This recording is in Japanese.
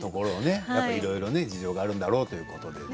いろいろ事情があるということでね。